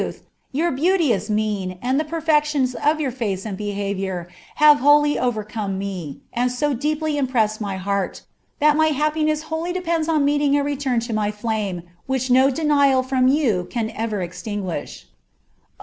od tmlh, your beauteous mien, and (he perfeetions of your face ud Hihaviour, have wholly overcome me; and so deeply impress my h«fl| my happiness wholly depends on meeting a nstum to my Huth which no denial ftota you can ever exlinguish,' "' Oil.